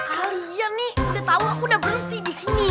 kalian nih udah tau aku udah berhenti disini